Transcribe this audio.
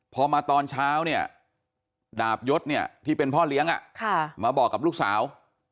พอมาตอนเช้าเนี่ยดาบยศเนี่ยที่เป็นพ่อเลี้ยงมาบอกกับลูกสาว